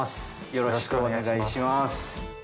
よろしくお願いします。